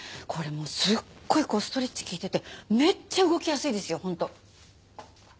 これもうすっごいストレッチ効いててめっちゃ動きやすいですよ本当。